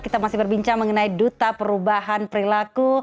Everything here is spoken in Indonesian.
kita masih berbincang mengenai duta perubahan perilaku